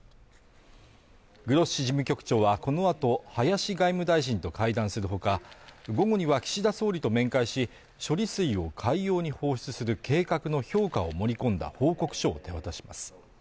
グロッシ事務局長はこの後、林外務大臣と会談する他、午後には岸田総理と面会し、処理水を海洋に放出する計画の評価を盛り込んだ報告書を手渡します。